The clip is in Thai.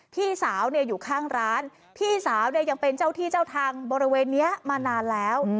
พี่สาวเนี่ยอยู่ข้างร้านพี่สาวเนี่ยยังเป็นเจ้าที่เจ้าทางบริเวณนี้มานานแล้ว